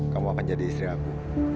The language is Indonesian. kamu akan jadi istri aku